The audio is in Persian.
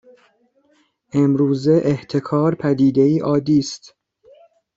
امروزه احتکار پدیده ای عادی است